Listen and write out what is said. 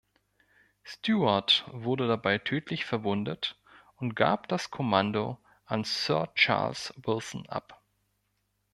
Steward wurde dabei tödlich verwundet und gab das Kommando an Sir Charles Wilson ab.